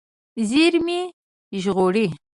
زیرمې ژغورئ.